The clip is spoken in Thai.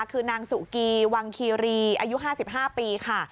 คือนางสุกีวังคีรีอายุ๕๕ปีค่ะ